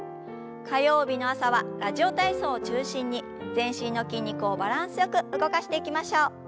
火曜日の朝は「ラジオ体操」を中心に全身の筋肉をバランスよく動かしていきましょう。